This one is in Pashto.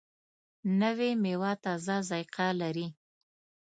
نوې میوه تازه ذایقه لري